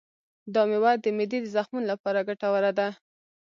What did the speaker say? دا مېوه د معدې د زخمونو لپاره ګټوره ده.